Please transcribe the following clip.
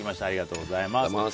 ありがとうございます。